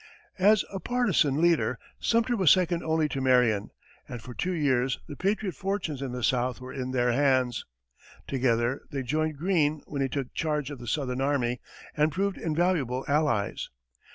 As a partisan leader, Sumter was second only to Marion, and for two years the patriot fortunes in the South were in their hands. Together they joined Greene when he took charge of the southern army, and proved invaluable allies.